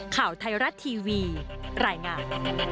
ข่าวไทยรัฐทีวีรายงาน